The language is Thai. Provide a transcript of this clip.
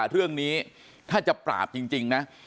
เรื่องนี้ถ้าจะปราบจริงนะ